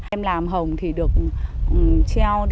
em làm hồng thì được treo